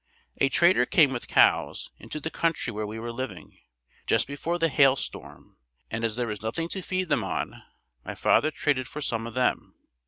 A trader came with cows, into the country where we were living, just before the hail storm and as there was nothing to feed them on, my father traded for some of them.